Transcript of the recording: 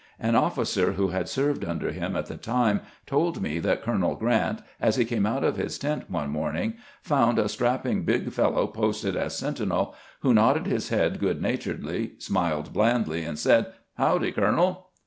An officer who had served under him at the time told me that Colonel Grrant, as he came out of his tent one morning, found a strapping big fellow posted as senti nel, who nodded his head good naturedly, smiled blandly, and said, "Howdy, colonel?"